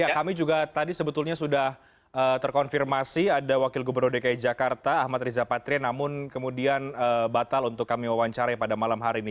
kami juga tadi sebetulnya sudah terkonfirmasi ada wakil gubernur dki jakarta ahmad riza patria namun kemudian batal untuk kami wawancarai pada malam hari ini